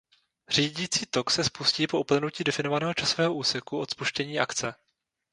Řídící tok se spustí po uplynutí definovaného časového úseku od spuštění akce.